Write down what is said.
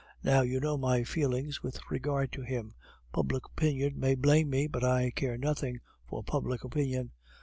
Now you know my feelings with regard to him. Public opinion may blame me, but I care nothing for public opinion.